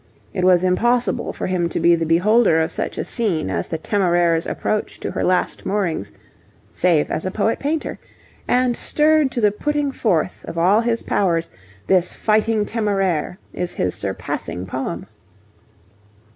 It was impossible for him to be the beholder of such a scene as the Temeraire's approach to her last moorings, save as a poet painter; and stirred to the putting forth of all his powers, this Fighting Temeraire is his surpassing poem.